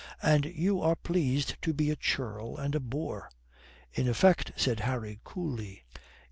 And you are pleased to be a churl and a boor." "In effect," said Harry coolly.